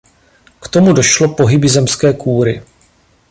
K tomu došlo pohyby zemské kůry.